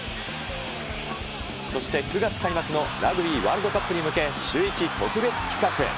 そして９月開幕のラグビーワールドカップに向け、シューイチ特別企画。